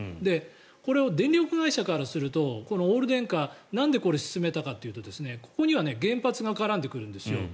これを電力会社からするとオール電化なんで進めたかというとここには原発が絡んでくるんですよ。